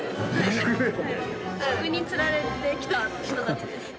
食につられて来た人たちです。